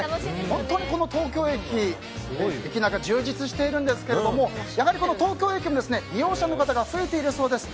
本当に東京駅駅ナカ充実しているんですがやはり、この東京駅も利用者の方が増えているそうです。